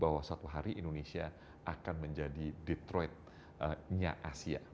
bahwa satu hari indonesia akan menjadi detroit nya asia